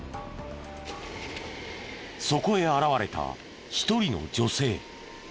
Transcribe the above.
そこへ現れた１人の女性。